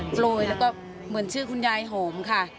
โปรยแล้วก็เหมือนชื่อคุณยายหอมค่ะ